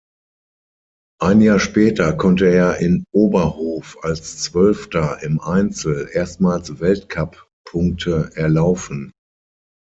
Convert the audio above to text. Ein Jahr später konnte er in Oberhof als Zwölfter im Einzel erstmals Weltcuppunkte erlaufen.